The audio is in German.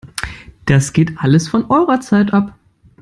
Das geht alles von eurer Zeit ab!